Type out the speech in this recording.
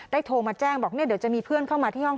โทรมาแจ้งบอกเนี่ยเดี๋ยวจะมีเพื่อนเข้ามาที่ห้อง